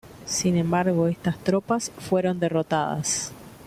Sin embargo estas tropas fueron derrotadas.